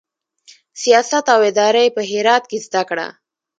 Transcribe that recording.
سیاست او اداره یې په هرات کې زده کړه.